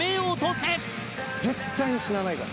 絶対に死なないから。